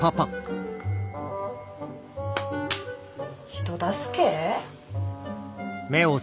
人助け？